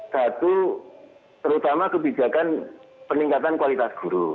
satu terutama kebijakan peningkatan kualitas guru